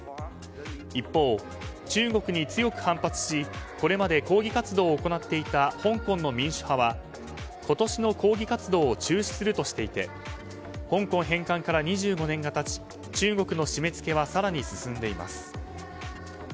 一方、中国に強く反発しこれまで抗議活動を行っていた香港の民主派は今年の抗議活動を中止するとしていて香港返還から２５年が経ち中国の締め付けは更に進んでいます。